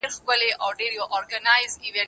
زه هره ورځ شګه پاکوم!؟